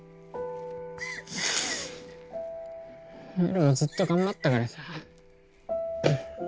エルはずっと頑張ったからさ。